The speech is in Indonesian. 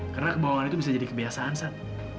karena kebohongan itu bisa jadi kebiasaan sat